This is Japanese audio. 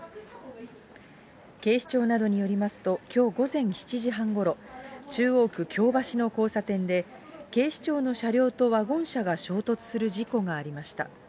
警視庁などによりますと、きょう午前７時半ごろ、中央区京橋の交差点で、警視庁の車両とワゴン車が衝突する事故がありました。